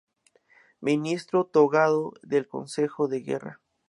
Ministro togado del Consejo de Guerra.